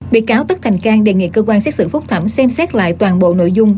bị cáo tất thành cang đề nghị cơ quan xét xử phúc thẩm xem xét lại toàn bộ nội dung